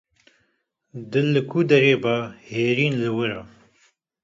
Dil li ku derê be, hêlîn li wir e.